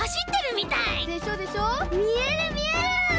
みえるみえる！